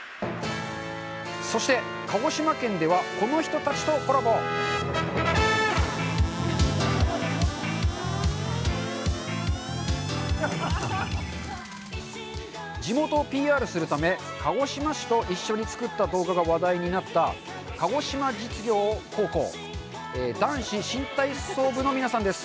そして鹿児島県ではこの人たちとコラボ地元をＰＲするため鹿児島市と一緒に作った動画が話題になった鹿児島実業高校男子新体操部の皆さんです